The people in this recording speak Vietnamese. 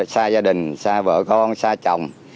xa gia đình xa vợ con xa chồng